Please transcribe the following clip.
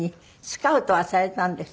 スカウトされたんですよ。